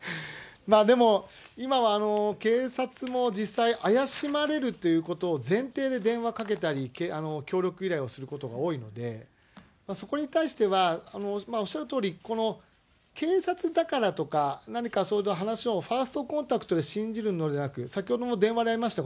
まあ、でも、今は警察も実際、怪しまれるということを前提で電話かけたり、協力依頼をすることが多いので、そこに対してはおっしゃるとおり、この警察だからとか、何か話の、ファーストコンタクトで信じるのじゃなく、先ほどの電話でありましたが、